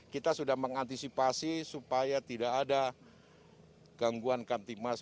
kita sudah mengantisipasi supaya tidak ada gangguan kamtimas